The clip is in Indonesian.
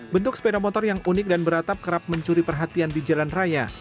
bentuk sepeda motor yang unik dan beratap kerap mencuri perhatian di jalan raya